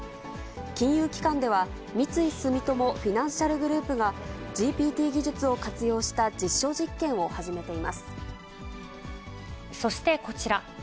金融機関では、三井住友フィナンシャルグループが、ＧＰＴ技術を活用した実証実そしてこちら。